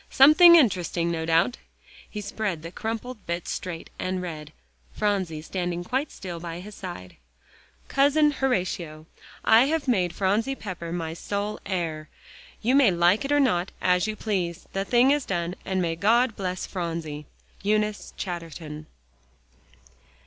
Something interesting, no doubt." He spread the crumpled bit straight and read, Phronsie standing quite still by his side: COUSIN HORATIO: I have made Phronsie Pepper my sole heir. You may like it or not, as you please. The thing is done, and may God bless Phronsie. EUNICE CHATTERTON.